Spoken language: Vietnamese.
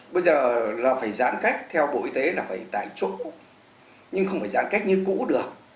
bây giờ là phải giãn cách theo bộ y tế là phải tại chỗ nhưng không phải giãn cách như cũ được